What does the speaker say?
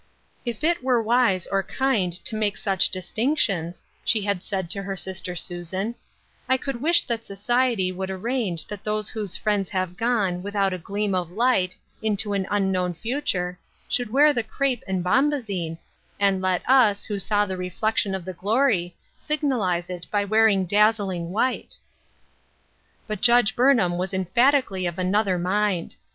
" If it were wise or kind to make such distinc tions," she had said to her sister Susan, " I could wish that society would arrange that those whose friends have gone, without a gleam of light, into an unknown future, should wear the crepe and bombazine, and let us, who saw the reflection of the glory, signalize it by wearing dazzling white." 34 LOGIC AND INTERROGATION POINTS. But Judge Burnham was emphatically of another mind.